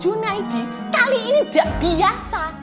junyadi kali ini gak biasa